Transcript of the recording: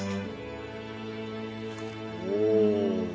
おお。